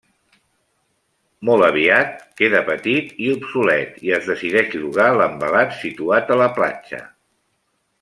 Molt aviat queda petit i obsolet i es decideix llogar l'envelat situat a la platja.